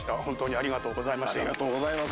ありがとうございます。